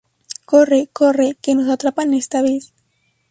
¡Corre! ¡corre! Que nos atrapan esta vez